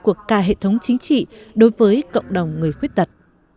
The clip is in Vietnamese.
của cả hệ thống chính trị đối với cộng đồng người khuyết tật